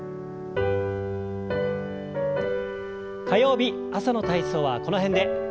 火曜日朝の体操はこの辺で。